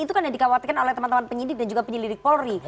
itu kan yang dikhawatirkan oleh teman teman penyidik dan juga penyelidik polri